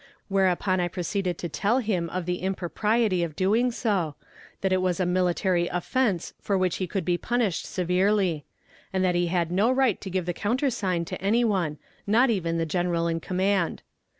Whereupon I proceeded to tell him of the impropriety of doing so; that it was a military offense for which he could be punished severely; and that he had no right to give the countersign to any one, not even the general in command.